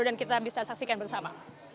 dan kita bisa saksikan bersama